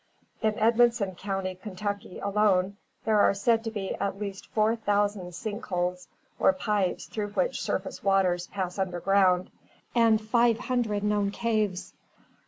In Edmonson County, Kentucky, alone, there are said to be at least four thousand sink holes or pipes through which surface waters pass under ground, and five hundred known caves.